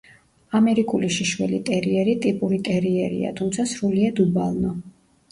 ამერიკული შიშველი ტერიერი ტიპური ტერიერია, თუმცა სრულიად უბალნო.